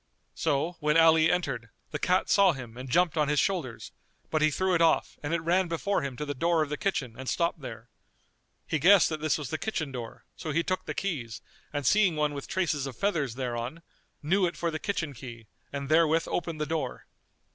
So, when Ali entered, the cat saw him and jumped on his shoulders; but he threw it off and it ran before him to the door of the kitchen and stopped there. He guessed that this was the kitchen door; so he took the keys and seeing one with traces of feathers thereon, knew it for the kitchen key and therewith opened the door.